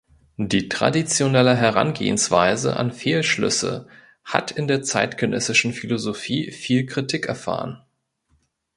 Die traditionelle Herangehensweise an Fehlschlüsse hat in der zeitgenössischen Philosophie viel Kritik erfahren.